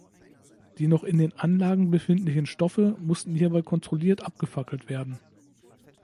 Die noch in den Anlagen befindlichen Stoffe mussten hierbei kontrolliert abgefackelt werden.